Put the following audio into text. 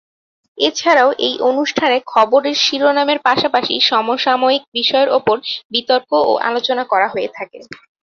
এছাড়াও এই অনুষ্ঠানে খবরের শিরোনামের পাশাপাশি সমসাময়িক বিষয়ের ওপর বিতর্ক ও আলোচনা করা হয়ে থাকে।